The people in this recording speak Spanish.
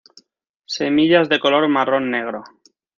Semillas de color marrón-negro.